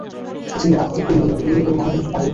পৃথিবীর আধিপত্য ইউরোপে, ইউরোপের মহাকেন্দ্র পারি।